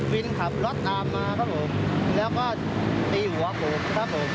ขับรถตามมาครับผมแล้วก็ตีหัวผมครับผม